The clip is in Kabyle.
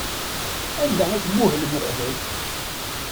Anda ay tmuhlem uqbel?